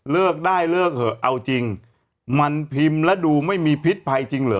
เลิกได้เลิกเถอะเอาจริงมันพิมพ์แล้วดูไม่มีพิษภัยจริงเหรอ